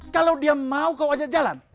kalau dia mau kau aja jalan